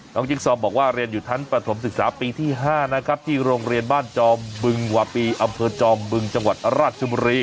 จิ๊กซอมบอกว่าเรียนอยู่ชั้นประถมศึกษาปีที่๕นะครับที่โรงเรียนบ้านจอมบึงวาปีอำเภอจอมบึงจังหวัดราชบุรี